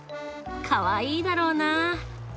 かわいいだろうな。